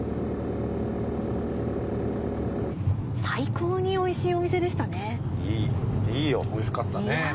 最高にオイシイお店でしたね！